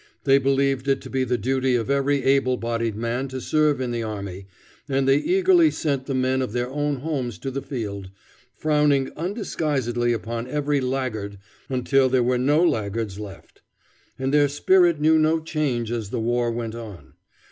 They believed it to be the duty of every able bodied man to serve in the army, and they eagerly sent the men of their own homes to the field, frowning undisguisedly upon every laggard until there were no laggards left. And their spirit knew no change as the war went on.